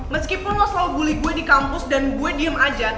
meskipun lo selalu bully gue di kampus dan gue diem aja